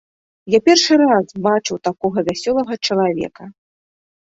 Я першы раз бачыў такога вясёлага чалавека.